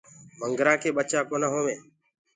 وآڳوُآ ڪي ٻچآ ڪونآ هووينٚ۔